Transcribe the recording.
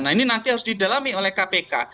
nah ini nanti harus didalami oleh kpk